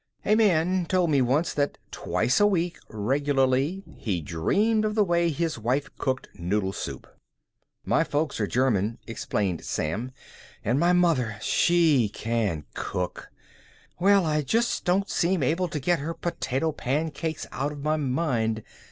"A man told me once that twice a week regularly he dreamed of the way his wife cooked noodle soup." "My folks are German," explained Sam. "And my mother can she cook! Well, I just don't seem able to get her potato pancakes out of my mind.